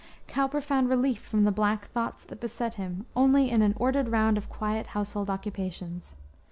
Cowper found relief from the black thoughts that beset him only in an ordered round of quiet household occupations.